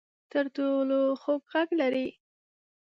ته تر ټولو خوږ غږ لرې